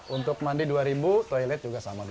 untuk mandi dua ribu toilet juga sama dua ribu